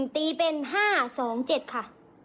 ตีเป็น๕๒๗ค่ะ